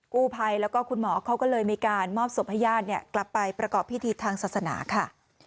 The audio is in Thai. กู้ภัยแล้วก็คุณหมอเขาก็เลยมีการมอบศพให้ญาติกลับไปประกอบพิธีทางศาสนาค่ะ